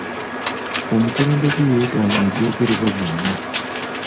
Omukulembeze yeegaanye ebyogererebwa byonna.